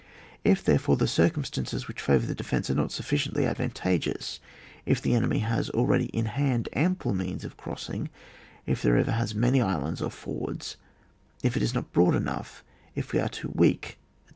If, therefore, the cir cumstances which favour the defence are not sufficiently advantageous, if the enemy has already in hand ample means of crossing, if the river has many islands or fords, if it is not broad enough, if we are too weak, etc.